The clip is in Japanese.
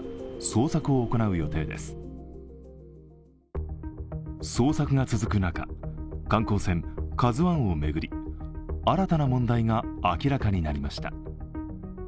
捜索が続く中、観光船「ＫＡＺＵⅠ」を巡り新たな問題が明らかになりました。